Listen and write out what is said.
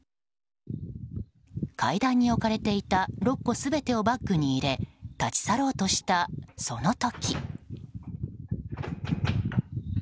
階段に置かれていた６個全てをバッグに入れて立ち去ろうとした、その時。